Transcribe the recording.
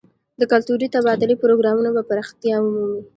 د کلتوري تبادلې پروګرامونه به پراختیا ومومي.